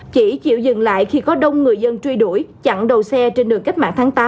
chỉ chịu dừng lại khi có đông người dân truy đuổi chặn đầu xe trên đường cách mạng tháng tám